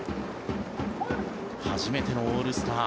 初めてのオールスター。